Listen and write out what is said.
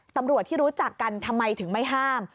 ตำรวจที่รู้จักกันทำไมถึงไม่ห้าม